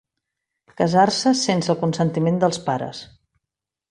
Casar-se sense el consentiment dels pares.